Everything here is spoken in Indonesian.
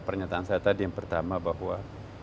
pernyataan saya tadi yang pertama bahwa